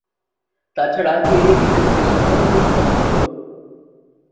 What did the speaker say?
তাছাড়া এই লিপিতে ছিল না কোনো যুক্তাক্ষরও।